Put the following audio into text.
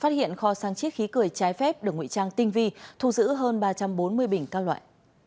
phát hiện kho sang chiếc khí cười trái phép được nguyễn trang tinh vi thu giữ hơn ba trăm bốn mươi bình cao loại